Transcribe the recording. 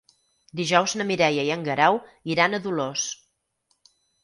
Dijous na Mireia i en Guerau iran a Dolors.